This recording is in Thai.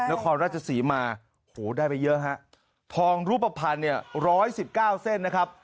นครราชศรีมาโหได้ไปเยอะฮะทองรูปภัณฑ์เนี่ยร้อยสิบเก้าเส้นนะครับ